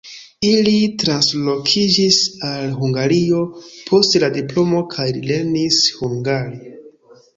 Ili translokiĝis al Hungario post la diplomo kaj li lernis hungare.